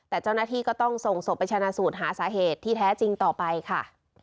แต่เจ้าหน้าที่ก็ต้องส่งศพไปชนะสูตรหาสาเหตุที่แท้จริงต่อไปค่ะ